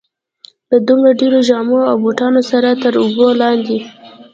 له دومره ډېرو جامو او بوټانو سره تر اوبو لاندې.